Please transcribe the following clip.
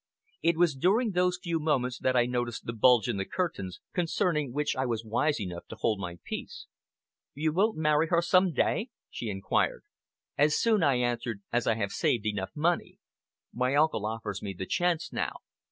It was during those few moments that I noticed the bulge in the curtains, concerning which I was wise enough to hold my peace. "You will marry her some day?" she inquired. "As soon," I answered, "as I have saved enough money. My uncle offers me the chance now.